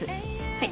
はい。